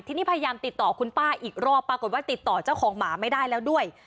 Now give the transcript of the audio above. ทีนี้พยายามติดต่อคุณป้าอีกรอบปรากฏว่าติดต่อเจ้าของหมาไม่ได้แล้วด้วย